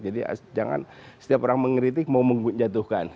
jadi jangan setiap orang mengeritik mau menjatuhkan